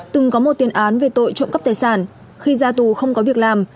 từng có một tiền án về tội trộm cắp tài sản khi ra tù không có việc làm